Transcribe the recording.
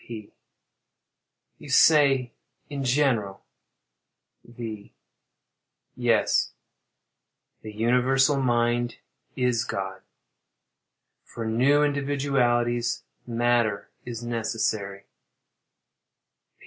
P. You say, "in general." V. Yes. The universal mind is God. For new individualities, matter is necessary.